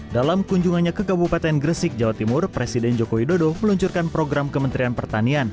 dalam kunjungannya ke kabupaten gresik jawa timur presiden joko widodo meluncurkan program kementerian pertanian